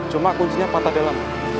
cuman kuncinya patah dalam